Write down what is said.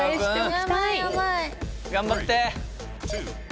頑張って。